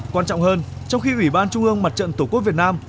quan trọng hơn trong khi ủy ban trung ương mặt trận tổ quốc việt nam